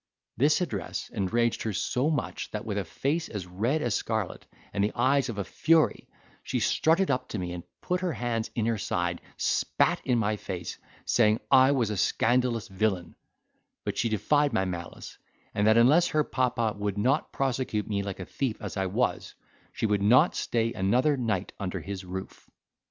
This address enraged her so much that with a face as red us scarlet and the eyes of a fury, she strutted up to me and putting her hands in her side, spat in my face, saying, I was a scandalous villain, but she defied my malice; and that unless her papa would not prosecute me like a thief as I was, she would not stay another night under his roof.